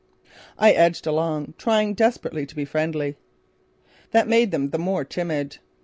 I edged along, trying desperately to be friendly. That made them the more timid.